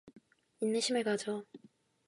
인내심을 가져.